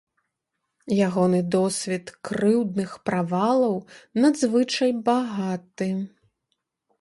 Ягоны досвед крыўдных правалаў надзвычай багаты.